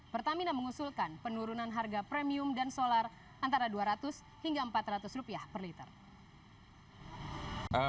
pertamina mengusulkan penurunan harga premium dan solar antara dua ratus hingga empat ratus rupiah per liter